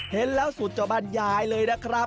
เห็นแล้วสุดจะบรรยายเลยนะครับ